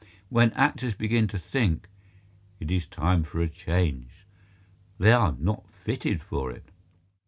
When actors begin to think, it is time for a change. They are not fitted for it.